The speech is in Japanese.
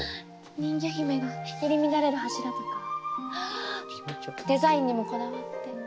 人魚姫が入り乱れる柱とかデザインにもこだわって。